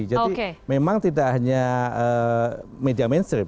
jadi memang tidak hanya media mainstream